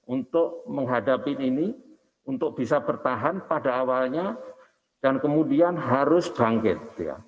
untuk menghadapi ini untuk bisa bertahan pada awalnya dan kemudian harus bangkit